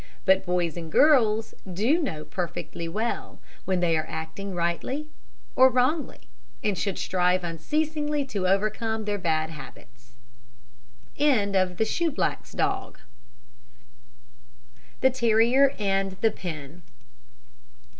But boys and girls do know perfectly well when they are acting rightly or wrongly, and should strive unceasingly to overcome their bad habits. THE TERRIER AND THE PIN.